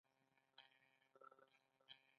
آیا بهرنیان دا جامې اخلي؟